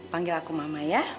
panggil aku mama ya